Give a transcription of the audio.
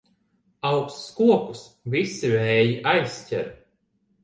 Augstus kokus visi vēji aizķer.